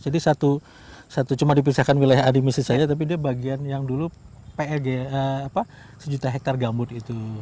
jadi satu cuma dipisahkan wilayah adimisi saja tapi dia bagian yang dulu peg sejuta hektare gambut itu